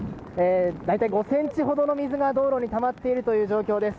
大体５ｃｍほどの水が道路にたまっている状況です。